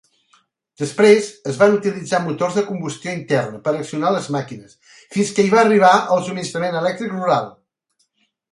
Després, es van utilitzar motors de combustió interna per accionar les màquines, fins que hi va arribar el subministrament elèctric rural.